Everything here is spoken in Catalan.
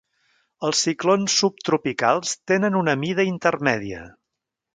Els ciclons subtropicals tenen una mida intermèdia.